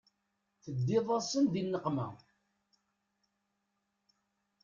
Teddiḍ-asen di nneqma.